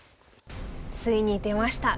ついに出ました